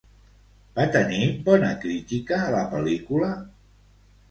Va tenir bona crítica la pel·lícula?